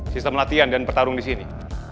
sistem latihan dan pertarung disini